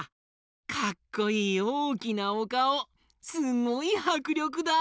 かっこいいおおきなおかおすごいはくりょくだ！